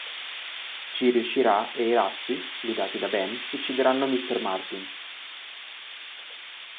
Ci riuscirà e i ratti, guidati da Ben, uccideranno Mr. Martin.